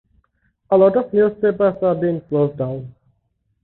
A lot of newspapers are being closed down.